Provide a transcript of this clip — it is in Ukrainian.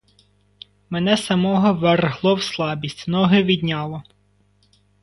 Мене самого вергло в слабість, ноги відняло.